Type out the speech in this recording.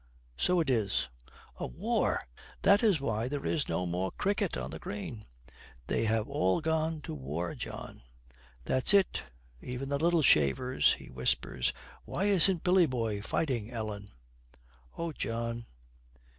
So it is! A war! That is why there is no more cricket on the green.' 'They have all gone to the war, John.' 'That's it; even the little shavers.' He whispers, 'Why isn't Billy boy fighting, Ellen?' 'Oh, John!'